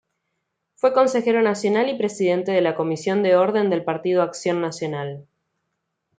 Fue Consejero Nacional y Presidente de la Comisión de Orden del Partido Acción Nacional.